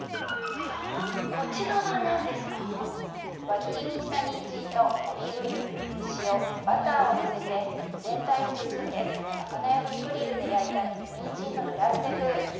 輪切りにしたにんじんとオリーブ油塩バターをのせて全体を包んで魚焼きグリルで焼いたにんじんのグラッセ風。